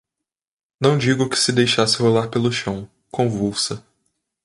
não digo que se deixasse rolar pelo chão, convulsa